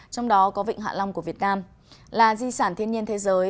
trong đó có vịnh hạ long của việt nam là di sản thiên nhiên thế giới